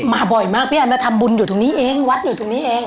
บ่อยมากพี่อันมาทำบุญอยู่ตรงนี้เองวัดอยู่ตรงนี้เอง